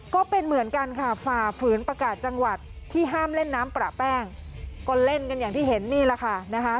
ก็เป็นเหมือนกันค่ะฝ่าฝืนประกาศจังหวัดที่ห้ามเล่นน้ำประแป้งก็เล่นกันอย่างที่เห็นนี่แหละค่ะนะคะ